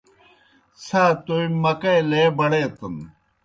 څھا تومیْ مکئی لے بڑیتَن۔